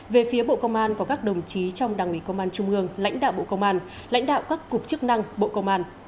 về phía bộ công an có các đồng chí trong đảng ủy công an trung ương lãnh đạo bộ công an lãnh đạo các cục chức năng bộ công an